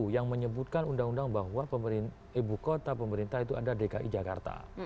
yang menyebutkan undang undang bahwa ibu kota pemerintah itu ada dki jakarta